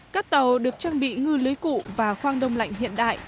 các tàu được trang bị ngư lưới cụ và khoang đông lạnh hiện đại